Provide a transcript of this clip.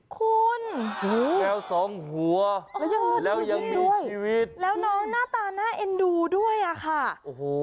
คุณโอ้โหแล้วสองหัวแล้วยังมีชีวิตแล้วน้องหน้าตาหน้าเอ็นดูด้วยค่ะโอ้โห